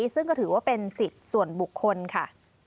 ซึ่งก็ถือว่าเป็นสิทธิ์ส่วนบุคคลค่ะ